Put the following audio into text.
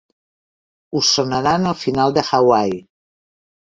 Us sonaran al final de Hawaii.